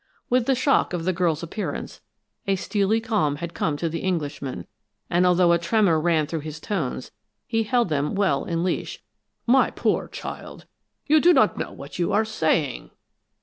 With the shock of the girl's appearance, a steely calm had come to the Englishman, and although a tremor ran through his tones, he held them well in leash. "My poor child, you do not know what you are saying.